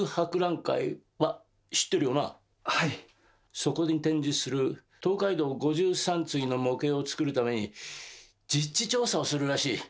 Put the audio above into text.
そこに展示する東海道五十三次の模型を作るために実地調査をするらしい。